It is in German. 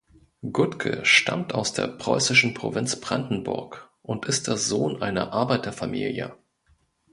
Guttke stammt aus der preußischen Provinz Brandenburg und ist der Sohn einer Arbeiterfamilie.